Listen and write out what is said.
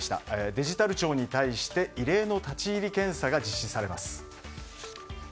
デジタル庁に対して、異例の立ち入り検査が実施されます。